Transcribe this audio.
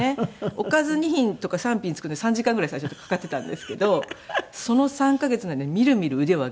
おかず２品とか３品作るのに３時間ぐらい最初かかっていたんですけどその３カ月の間にみるみる腕を上げて。